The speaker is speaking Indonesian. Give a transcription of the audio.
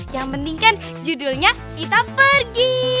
yang penting kan judulnya kita pergi